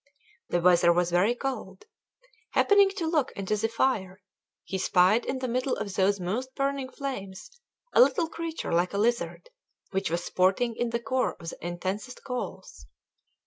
The weather was very cold. Happening to look into the fire, he spied in the middle of those most burning flames a little creature like a lizard, which was sporting in the core of the intensest coals.